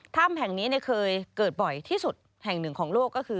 ถ้ำแห่งนี้เคยเกิดบ่อยที่สุดแห่งหนึ่งของโลกก็คือ